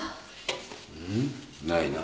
うん？ないな。